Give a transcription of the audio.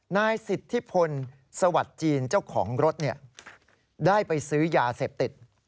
นายสิทธิพลสวัสดิ์จีนเจ้าของรถได้ไปซื้อยาเสพติด